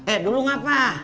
eh dulu ngapa